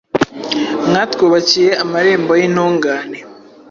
Mwatwubakiye amarembo y’intungane